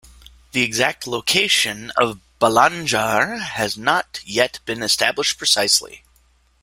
The exact location of Balanjar has not yet been established precisely.